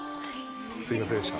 すみませんでした。